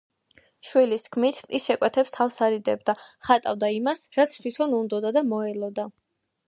შვილის თქმით, ის შეკვეთებს თავს არიდებდა, ხატავდა იმას, რაც თვითონ უნდოდა და მოელოდა.